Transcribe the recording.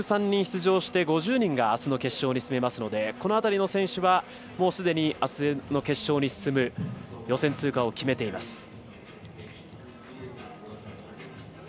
５３人出場して５０人があすの決勝に進みますのでこの辺りの選手は、もうすでにあすの決勝に進む予選通過を決めています。